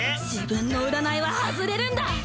自分の占いは外れるんだ！